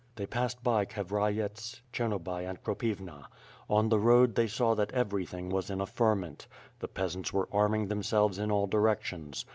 They passed by Kavrayets, Chemobay and Kropivna. On the road they saw that everything was in a ferment. The peas ants were arming themselves in all directions.